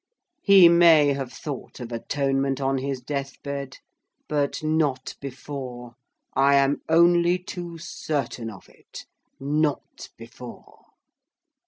He may have thought of atonement on his death bed; but not before—I am only too certain of it—not before!"